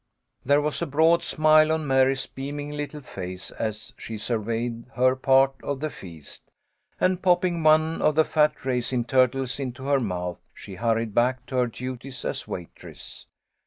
There was a broad smile on Mary's beaming little face as she surveyed her part of the feast, and pop ping one of the fat raisin turtles into her mouth, she hurried back to her duties as waitress.